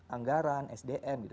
anggaran sdm gitu